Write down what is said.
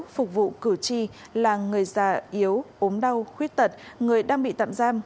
phục vụ cử tri là người già yếu ốm đau khuyết tật người đang bị tạm giam